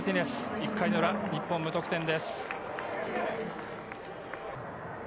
１回の裏、日本無得点です。